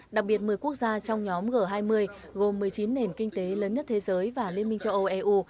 đặc biệt một mươi quốc gia trong nhóm g hai mươi gồm một mươi chín nền kinh tế lớn nhất thế giới và liên minh châu âu eu